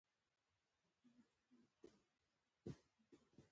اییر کنډیشنونه پکې لګېدلي وو.